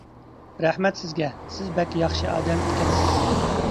-رەھمەت سىزگە، سىز بەك ياخشى ئادەم ئىكەنسىز.